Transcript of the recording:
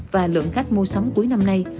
và lượng khách mua sắm cuối năm nay